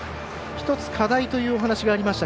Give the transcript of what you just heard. １つ課題というお話がありました